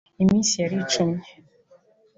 Iminsi yaricumye